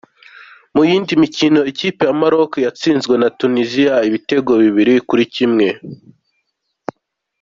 Mu yindi mikino, ikipe ya Moroc yatsinzwe na Tuniziya ibitego bibiri kuri kimwe.